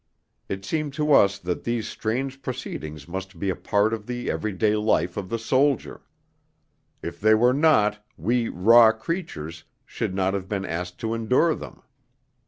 It seemed to us that these strange proceedings must be a part of the everyday life of the soldier. If they were not, we raw creatures should not have been asked to endure them.